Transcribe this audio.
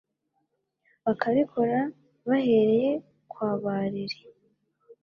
bakabikora bahereye kwa ba Rere.